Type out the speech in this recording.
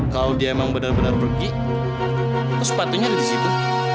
kalau dia emang benar benar pergi sepatunya ada di situ